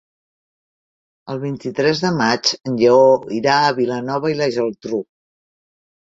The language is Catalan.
El vint-i-tres de maig en Lleó irà a Vilanova i la Geltrú.